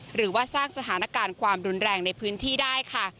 หรือว่าสร้างสถานการณ์ความรุนแรงในพื้นที่ได้ค่ะ